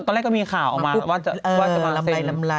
ตอนแรกก็มีข่าวออกมาว่าจะมาเซน